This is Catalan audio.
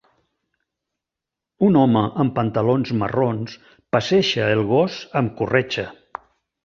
Un home amb pantalons marrons passeja el gos amb corretja.